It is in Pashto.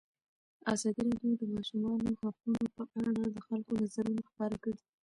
ازادي راډیو د د ماشومانو حقونه په اړه د خلکو نظرونه خپاره کړي.